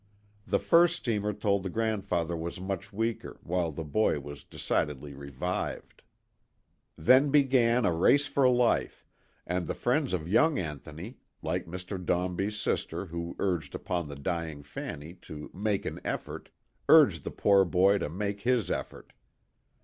The first steamer told the grandfather was much weaker, while the boy was decidedly revived. Then began a race for life, and the friends of young Anthony, like Mr. Dombey's sister who urged upon the dying Fanny to " make an effort," urged the poor boy to make his effort.